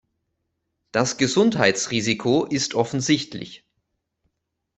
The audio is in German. Das Gesundheitsrisiko ist offensichtlich.